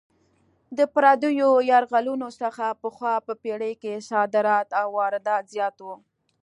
د پردیو یرغلونو څخه پخوا په پېړۍ کې صادرات او واردات زیات وو.